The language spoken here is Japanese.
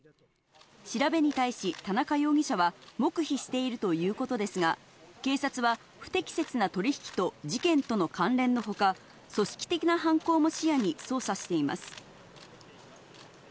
調べに対し田中容疑者は黙秘しているということですが、警察は不適切な取引と事件との関連のほか、組織的な犯行も視野に捜査しています。